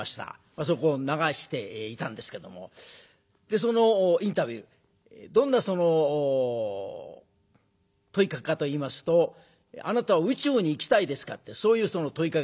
あそこを流していたんですけどもそのインタビューどんな問いかけかといいますと「あなたは宇宙に行きたいですか？」ってそういう問いかけでした。